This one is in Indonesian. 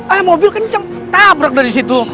eh mobil kenceng tabrak dari situ